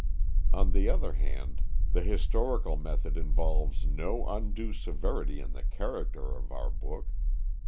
On the other hand, the historical method involves no undue severity in the character of our book.